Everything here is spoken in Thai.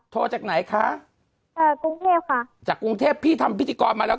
จากไหนคะเอ่อกรุงเทพค่ะจากกรุงเทพพี่ทำพิธีกรมาแล้ว